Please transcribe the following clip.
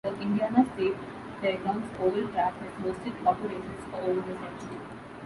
The Indiana State Fairgrounds oval track has hosted auto races for over a century.